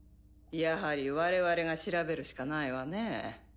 やはり我々が調べるしかないわねぇ。